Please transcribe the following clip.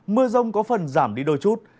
mưa rông có phần giảm đi đôi chút